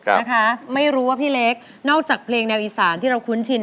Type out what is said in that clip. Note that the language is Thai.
นะคะไม่รู้ว่าพี่เล็กนอกจากเพลงแนวอีสานที่เราคุ้นชิน